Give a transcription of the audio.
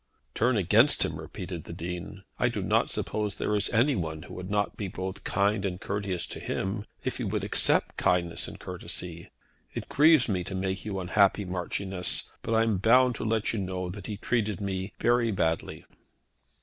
"Turn against him!" repeated the Dean. "I do not suppose that there is any one who would not be both kind and courteous to him, if he would accept kindness and courtesy. It grieves me to make you unhappy, Marchioness, but I am bound to let you know that he treated me very badly."